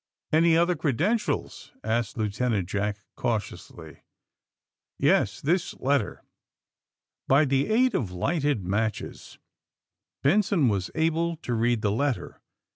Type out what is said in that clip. ^^Any other credentials?" asked Lieutenant Jack cantionsly. ^^Yes; this letter." By the aid of lighted matches Benson was able to read the letter.